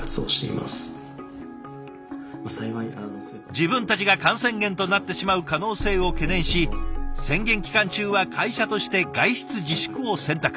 自分たちが感染源となってしまう可能性を懸念し宣言期間中は会社として外出自粛を選択。